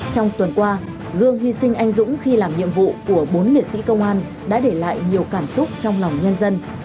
trong tuần qua gương hy sinh anh dũng khi làm nhiệm vụ của bốn liệt sĩ công an đã để lại nhiều cảm xúc trong lòng nhân dân